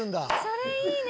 それいいね。